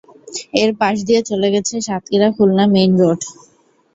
এর পাশ দিয়ে চলে গেছে সাতক্ষীরা-খুলনা মেইন রোড।